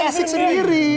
kita isik sendiri